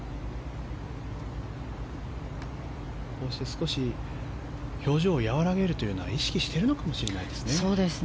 少し表情を和らげるというのは意識しているのかもしれないですね。